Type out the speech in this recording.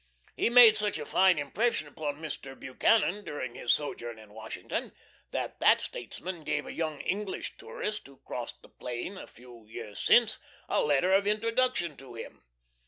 He made such a fine impression upon Mr. Buchanan during his sojourn in Washington that that statesman gave a young English tourist, who crossed the plain a few years since, a letter of introduction to him.